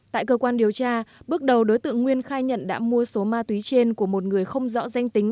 tại cơ quan điều tra bước đầu đối tượng nguyên khai nhận đã mua số ma túy trên của một người không rõ danh tính